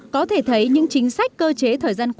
có thể thấy những chính sách cơ chế thời gian qua